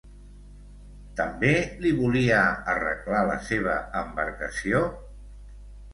També li volia arreglar la seva embarcació?